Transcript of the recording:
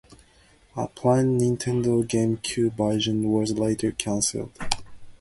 A planned Nintendo GameCube version was later canceled.